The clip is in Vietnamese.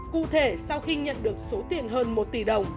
cụ thể sau khi nhận được số tiền hơn một tỷ đồng